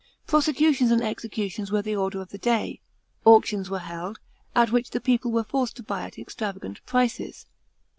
Prosecutions and executions were the order of the day. Auctions were held, at which the people were forced to buy at extravagant prices.